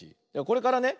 これからね